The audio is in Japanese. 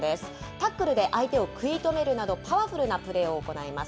タックルで相手を食い止めるなど、パワフルなプレーを行います。